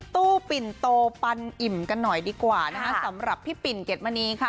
ปิ่นโตปันอิ่มกันหน่อยดีกว่านะคะสำหรับพี่ปิ่นเกดมณีค่ะ